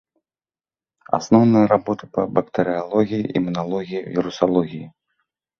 Асноўныя работы па бактэрыялогіі, імуналогіі, вірусалогіі.